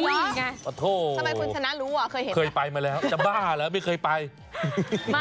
นี่ไงพัทโต้คือจะบ้าหรือไม่เคยไปนี่ไงทำไมคุณชนะรู้อ่ะ